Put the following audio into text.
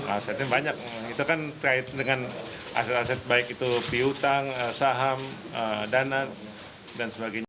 asetnya banyak itu kan terkait dengan aset aset baik itu piutang saham dana dan sebagainya